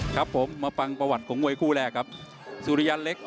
ครับผมมาฟังประวัติของมวยคู่แรกครับสุริยันเล็ก